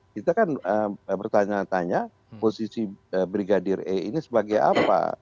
kita kan bertanya tanya posisi brigadir e ini sebagai apa